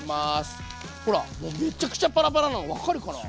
ほらもうめちゃくちゃパラパラなの分かるかな？